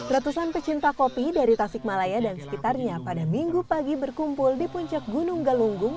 ratusan pecinta kopi dari tasikmalaya dan sekitarnya pada minggu pagi berkumpul di puncak gunung galunggung